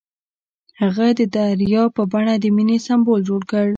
هغه د دریا په بڼه د مینې سمبول جوړ کړ.